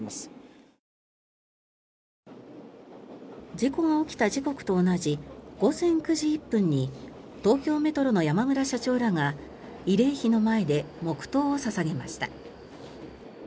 事故が起きた時刻と同じ午前９時１分に東京メトロの山村社長らが慰霊碑の前で黙祷を捧げました。